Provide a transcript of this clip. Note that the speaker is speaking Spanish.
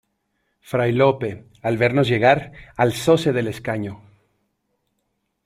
fray Lope, al vernos llegar , alzóse del escaño: